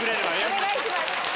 お願いします。